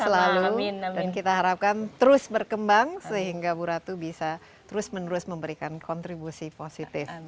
selalu dan kita harapkan terus berkembang sehingga bu ratu bisa terus menerus memberikan kontribusi positif